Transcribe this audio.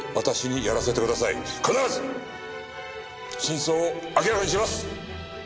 必ず真相を明らかにします！